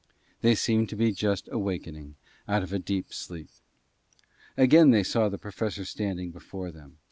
They seemed to be just awakening out of deep sleep. Again they saw the Professor standing before them.